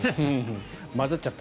混ざっちゃった。